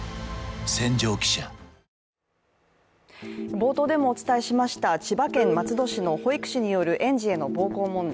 冒頭でもお伝えしました千葉県松戸市の保育士による園児への暴行問題。